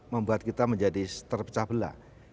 membuat kita menjadi terpecah belah